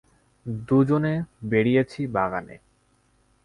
দুজনে বেড়িয়েছি বাগানে।